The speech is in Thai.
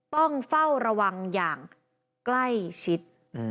ต้องเฝ้าระวังอย่างใกล้ชิด